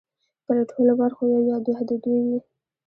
که له ټولو برخو یو یا دوه د دوی وي